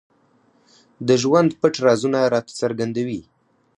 د ژوند پټ رازونه راته څرګندوي.